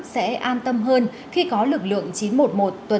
sẽ an tâm hơn khi có lực lượng chín trăm một mươi một tuần